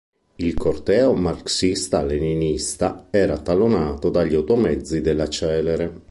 Il corteo marxista-leninista era tallonato dagli automezzi della celere.